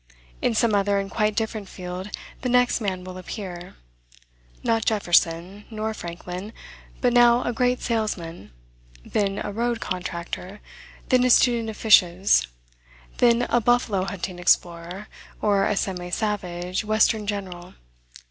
In some other and quite different field, the next man will appear; not Jefferson, nor Franklin, but now a great salesman; then a road contractor; then a student of fishes; then a buffalo hunting explorer, or a semi savage western general.